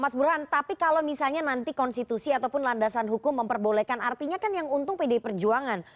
mas burhan tapi kalau misalnya nanti konstitusi ataupun landasan hukum memperbolehkan artinya kan yang untung pdi perjuangan